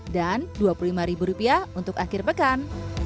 dan dua puluh lima rupiah untuk akhir pekan